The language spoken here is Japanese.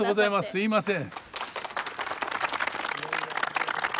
すみません。